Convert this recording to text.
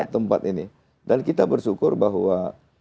tempat ini dan kita bersyukur bahwa